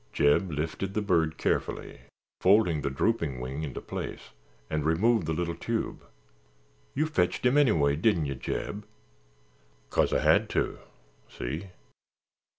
Jeb lifted the bird carefully, folding the drooping wing into place, and removed the little tube. "You fetched him anyway, didn't you, Jeb?" "'Cause I had ter—see?"